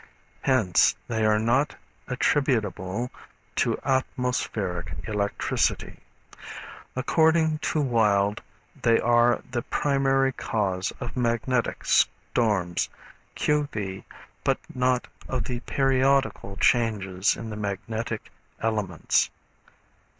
Hence they are not attributable to atmospheric electricity. According to Wilde they are the primary cause of magnetic storms, q. v., but not of the periodical changes in the magnetic elements.